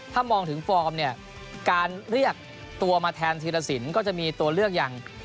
ถ้ามองถึงฟอร์มเนี่ยการเรียกตัวมาแทนธีรสินก็จะมีตัวเลือกอย่าง